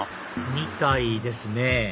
みたいですね